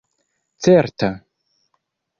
certa